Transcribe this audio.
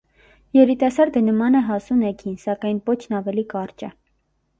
Երիտասարդը նման է հասուն էգին, սակայն պոչն ավելի կարճ է։